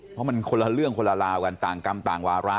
เพราะมันคนละเรื่องคนละลาวกันต่างกรรมต่างวาระ